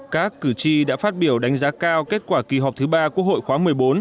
các cử tri đã phát biểu đánh giá cao kết quả kỳ họp thứ ba quốc hội khóa một mươi bốn